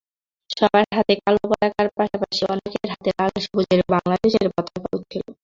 সবার হাতে কালো পতাকার পাশাপাশি অনেকের হাতে লাল-সবুজের বাংলাদেশের পতাকাও ছিল।